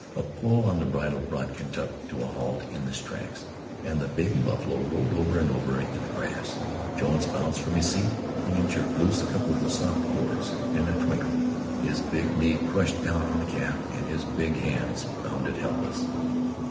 A pull on the bridle brought Kentuck to a halt in his tracks, and the baby buffalo rolled over and over in the grass. Jones bounced from his seat and jerked loose a couple of the soft cords. In a twinkling; his big knee crushed down on the calf, and his big hands bound it helpless.